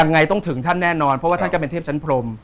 ยังไงต้องถึงท่านแน่นอนเพราะว่าท่านก็เป็นเทพชั้นพรม